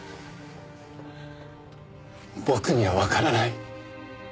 僕にはわからない